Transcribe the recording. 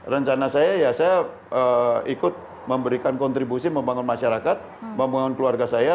rencana saya ya saya ikut memberikan kontribusi membangun masyarakat membangun keluarga saya